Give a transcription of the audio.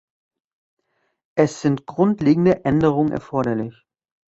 Es sind grundlegende Änderungen erforderlich.